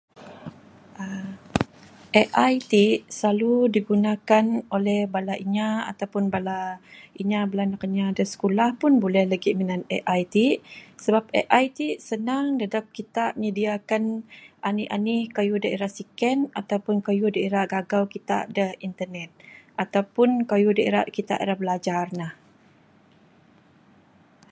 aaa AI ti silalu digunakan oleh bala inya ato pun bala anak inya da skulah pun buleh lagi minan AI ti sebab AI ti senang ngadap kita menyediakan anih anih kayuh da ra siken ato pun kayuh da ra gagau kita da internet ato pun kayuh kita da ra bilajar ne.